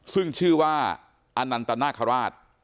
ซึ่งชื่อว่าอนันตนาคาราช